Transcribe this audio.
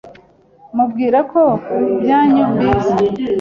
mubwira ko ibyanyu mbizi,